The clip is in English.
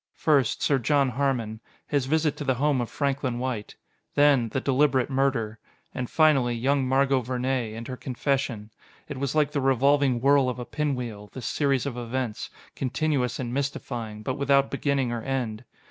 First, Sir John Harmon his visit to the home of Franklin White. Then the deliberate murder. And, finally, young Margot Vernee, and her confession. It was like the revolving whirl of a pinwheel, this series of events: continuous and mystifying, but without beginning or end.